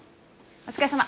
お疲れさま。